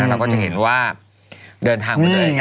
เราก็จะเห็นว่าเดินทางมาเลย